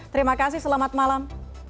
terima kasih selamat malam